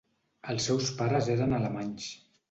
Els seus pares eren alemanys.